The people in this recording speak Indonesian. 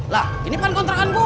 lah ini kan kontrakan bu